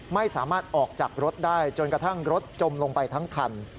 ไม่สามารถออกจากรถได้จนกระทั่งรถจมลงไปทั้งคัน